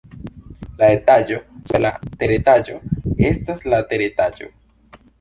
La etaĝo super la teretaĝo estas la teretaĝo.